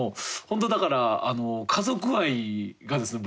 本当だから家族愛がですね